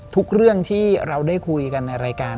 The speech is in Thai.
ทุกเรื่องที่เราได้คุยกันในรายการ